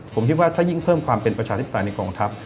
ผมคิดว่าถ้ายิ่งเพิ่มความเป็นประชาธิปไตยในกองทัพ